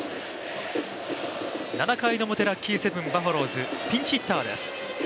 ７回の表、ラッキーセブン、バファローズピンチヒッターです。